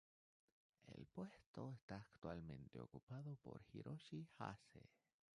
El puesto está actualmente ocupado por Hiroshi Hase.